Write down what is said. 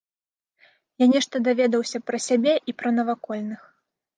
Я нешта даведаўся пра сябе і пра навакольных.